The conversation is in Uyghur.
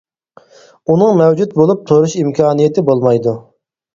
ئۇنىڭ مەۋجۇت بولۇپ تۇرۇش ئىمكانىيىتى بولمايدۇ.